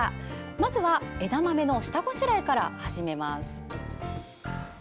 まずは枝豆の下ごしらえから始めます。